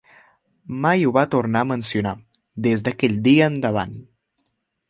Mai ho va tornar a mencionar, des d'aquell dia endavant.